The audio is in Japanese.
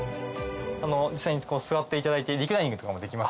実際に座っていただいてリクライニングとかもできますので。